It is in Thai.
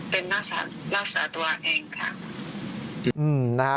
เป็นรักษาตัวเองค่ะ